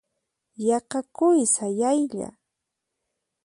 Yaqa quwi sayaylla.